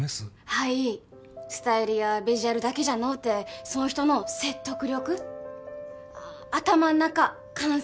はいスタイルやビジュアルだけじゃのうてそん人の説得力頭ん中感性